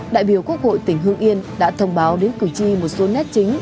đại biểu quốc hội tỉnh hương yên đã thông báo đến cử tri một số nét chính